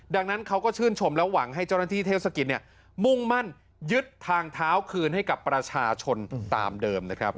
ดังนั้นเขาก็ชื่นชมและหวังให้เจ้าหน้าที่เทศกิจมุ่งมั่นยึดทางเท้าคืนให้กับประชาชนตามเดิมนะครับ